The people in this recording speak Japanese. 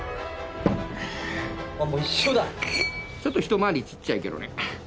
ちょっと一回りちっちゃいけどね。